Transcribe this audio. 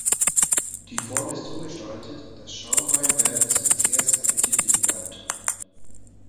Die Form ist so gestaltet, dass Schaumwein während des Verzehrs appetitlich bleibt.